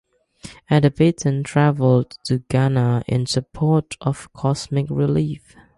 Adepitan travelled to Ghana in support of Comic Relief.